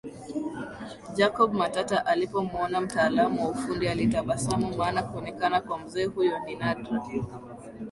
Jacob Matata alipomuona mtaalamu wa ufundi alitabasamu maana kuonekana kwa mze huyo ni nadra